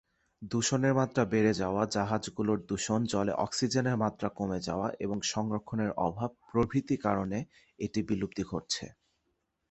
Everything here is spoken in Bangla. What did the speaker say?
দূষণের মাত্রা বেড়ে যাওয়া, জাহাজ গুলোর দূষণ, জলে অক্সিজেনের মাত্রা কমে যাওয়া এবং সংরক্ষণের অভাব প্রভৃতি কারণে এটি বিলুপ্তি ঘটছে।